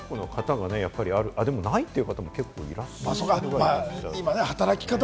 多くの方がね、やっぱりある、でもないという方も結構いらっしゃる。